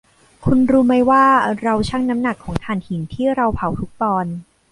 คุณรู้ไหมว่าเราชั่งน้ำหนักของถ่านหินที่เราเผาทุกปอนด์